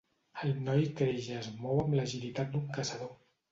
El noi creix i es mou amb l'agilitat d'un caçador.